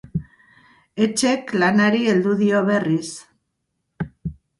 Etxek lanari heldu dio berriz.